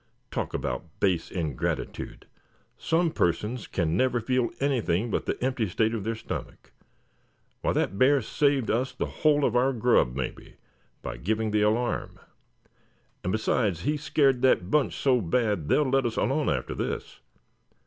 Talk about base ingratitude, some persons can never feel anything but the empty state of their stomach. Why, that bear saved us the whole of our grub, mebbe, by giving the alarm; and Besides, he scared that bunch so bad they'll let us alone after this.